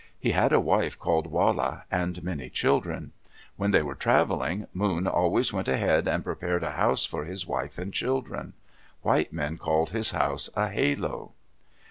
He had a wife called Wala and many children. When they were traveling, Moon always went ahead and prepared a house for his wife and children. White men call his house a halo.